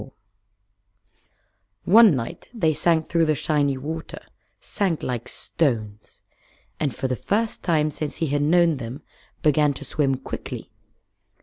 One night they sank through the shiny water sank like stones and for the first time since he had known them began to swim quickly.